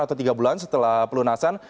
atau tiga bulan setelah pelunasan